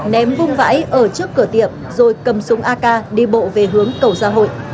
ném hung vãi ở trước cửa tiệm rồi cầm súng ak đi bộ về hướng cầu gia hội